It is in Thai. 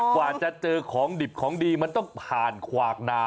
กว่าจะเจอของดิบของดีมันต้องผ่านขวากนา